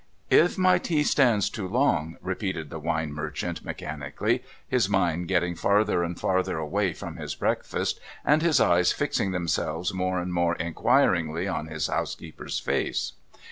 ' If my tea stands too long,' repeated the wine merchant mechani cally, his mind getting farther and farther away from his breakfast, and his eyes fixing themselves more and more inquiringly on his housekeeper's face.